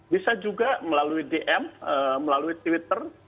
bisa juga melalui dm melalui twitter